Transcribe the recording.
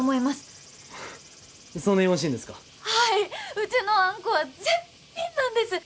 うちのあんこは絶品なんです。